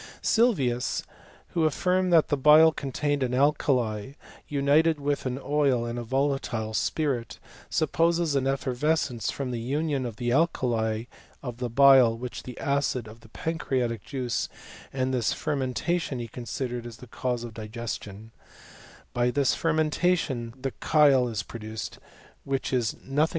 Sylvius, who affirmed that the bile contained mu alkali, united with an oil and a volatile spirit, supposst an effervescence from the union of the alkali of thi bile with the acid of the pancreatic juice, and thiafitw mentation he considered as the cause of digesuoiu By this fermentation the chyle is produced, which f4^ TAir RELMOn* AVD TB£ lATRO CHEMISTS.